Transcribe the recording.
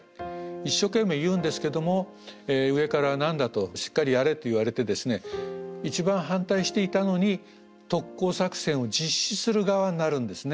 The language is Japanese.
一生懸命言うんですけども上から何だとしっかりやれと言われてですね一番反対していたのに特攻作戦を実施する側になるんですね。